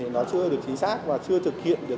nó chưa được chính xác và chưa thực hiện được